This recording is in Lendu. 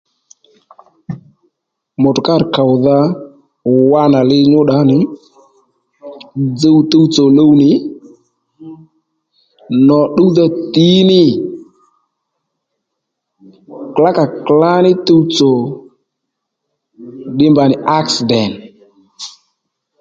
Mutukar kòwdha wa nà li nyúddǎ nì dzuw tuwtsò luw nì nò tdúwdha tǐ nǐ klǎkàklǎ ní tuwtsò ddí mba nì aksident